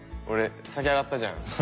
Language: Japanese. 先上がったじゃん。